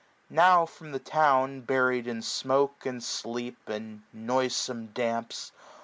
Now from the town 100 Buried in smoke, and sleep, and noisome damps.